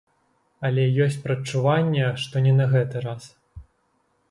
Але ёсць прадчуванне, што не на гэты раз.